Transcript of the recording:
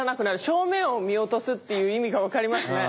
正面を見落とすっていう意味が分かりますね。